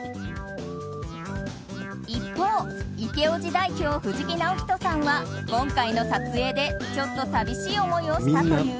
一方、イケオジ代表藤木直人さんは今回の撮影でちょっと寂しい思いをしたという。